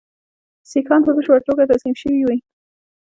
سیکهان په بشپړه توګه تسلیم شوي وي.